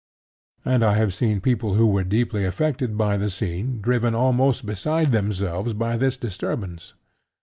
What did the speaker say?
And I have seen people who were deeply affected by the scene driven almost beside themselves by this disturbance.